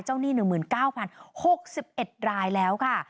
หนี้๑๙๐๖๑รายแล้วค่ะ